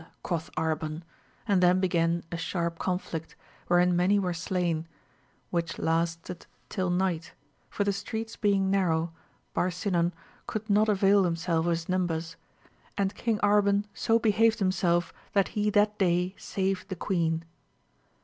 quoth Arban ; and then began sharp conflict, wherein many were slain, which laste till night, for the streets being narrow Barsinan cool not avail himself of his numbers, and King Arban £ behaved himself that he that day saved the queen.